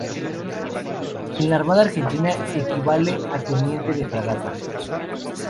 En la Armada Argentina equivale a teniente de fragata.